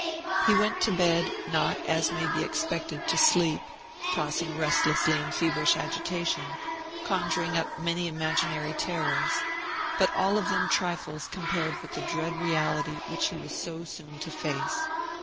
He went to bed, not, as may be expected, to sleep; tossing restlessly in feverish agitation, conjuring up many imaginary terrors but all of them trifles compared with the dread reality which he was so soon to face.